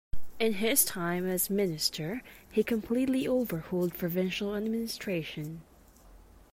In his time as minister, he completely overhauled provincial administration.